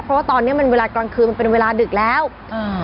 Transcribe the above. เพราะว่าตอนเนี้ยมันเวลากลางคืนมันเป็นเวลาดึกแล้วอ่า